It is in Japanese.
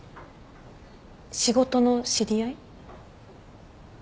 仕事の知り合い？